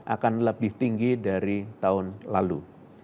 akan lebih tinggi dari tahun lalu